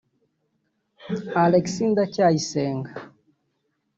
Alex Ndacyayisenga